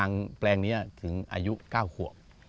ยางแปลงนี้ถึงอายุ๙หัว